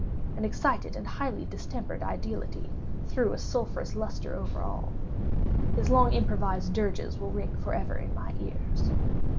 An excited and highly distempered ideality threw a sulphureous lustre over all. His long improvised dirges will ring forever in my ears.